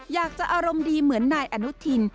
อยากจะอารมณ์ดีเหมือนนายอนุทิน